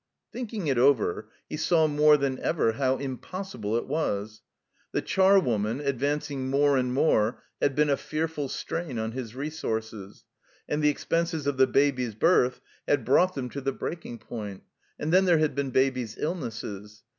Thinking it over, he saw more than ever how im possible it was. The charwoman, advancing more and more, had been a fearful strain on his resources, and the expenses of the Baby's bifth had brought them to the breaking point. And then there had been Baby's illnesses.